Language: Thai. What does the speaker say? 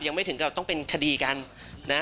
ยังไม่ถึงกับต้องเป็นคดีกันนะ